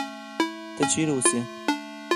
ته چېرې اوسې؟